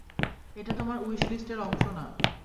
এটা তোমার উইশ লিস্টের অংশ না।